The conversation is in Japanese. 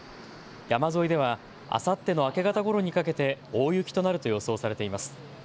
山沿いではあさっての明け方ごろにかけて大雪となると予想されています。